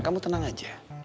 kamu tenang aja